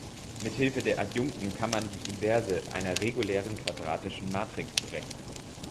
Mit Hilfe der Adjunkten kann man die Inverse einer regulären quadratischen Matrix berechnen.